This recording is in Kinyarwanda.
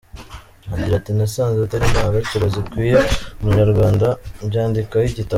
Agira ati "Nasanze atari indangagaciro zikwiye Umunyarwanda mbyandikaho igitabo.